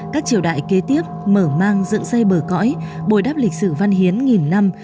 các triều đại kế tiếp mở mang dựng xây bờ cõi bồi đắp lịch sử văn hiến nghìn năm